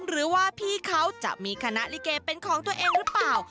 หรือว่าพี่เขาจะมีคณะลิเกเป็นของตัวเองหรือเปล่า